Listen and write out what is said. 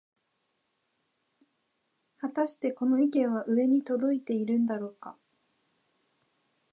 はたしてこの意見は上に届いているんだろうか